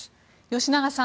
吉永さん